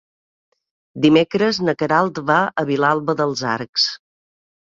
Dimecres na Queralt va a Vilalba dels Arcs.